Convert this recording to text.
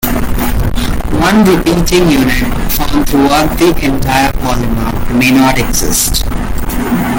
One repeating unit found throughout the entire polymer may not exist.